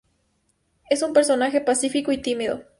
Es un personaje pacífico y tímido.